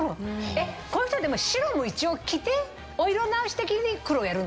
こういう人はでも白も一応着てお色直し的に黒をやるんですよね？